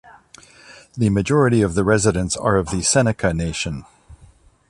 The majority of the residents are of the Seneca Nation.